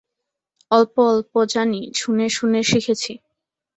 অল্প-অল্প জানি, শুনে-শুনে শিখেছি।